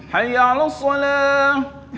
hayya ala as salah